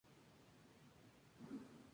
La galaxia está severamente aislada.